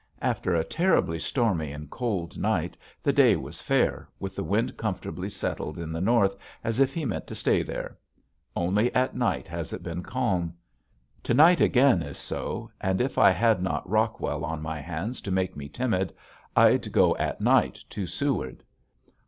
After a terribly stormy and cold night the day was fair with the wind comfortably settled in the north as if he meant to stay there. Only at night has it been calm. To night again is so and if I had not Rockwell on my hands to make me timid I'd go at night to Seward.